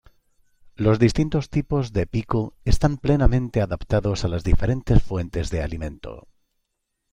Los distintos tipos de pico están plenamente adaptados a las diferentes fuentes de alimento.